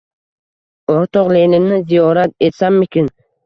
O’rtoq Leninni ziyorat etsammikin?